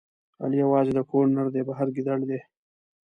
علي یوازې د کور نردی، بهر ګیدړ دی.